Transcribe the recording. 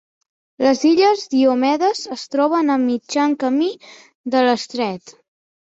Les Illes Diomedes es troben a mitjan camí de l'estret.